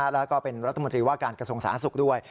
แล้วก็เป็นรัฐมนตรีว่าการกระทรวงสาธารณสุขด้วย